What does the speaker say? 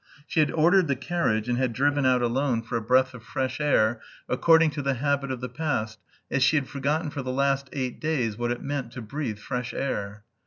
She had ordered the carriage, and had driven out alone for a breath of fresh air "according to the habit of the past, as she had forgotten for the last eight days what it meant to breathe fresh air."